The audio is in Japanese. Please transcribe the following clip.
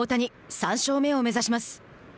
３勝目を目指します。